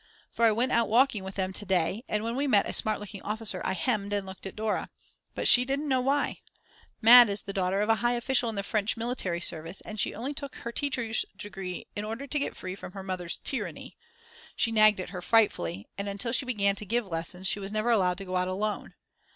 For I went out walking with them to day, and when we met a smart looking officer I hemmed and looked at Dora. But she didn't know why. Mad. is the daughter of a high official in the French military service and she only took her teacher's degree in order to get free from her Mother's "tyranny;" she nagged at her frightfully and until she began to give lessons she was never allowed to go out alone.